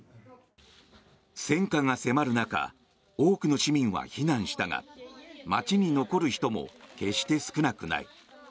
戦火が迫る中多くの市民は避難したが街に残る人も決して少なくない。